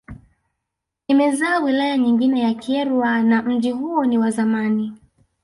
Imezaa wilaya nyingine ya Kyerwa na mji huo ni wa zamani